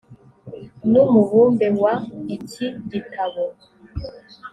n umubumbe wa iki gitabo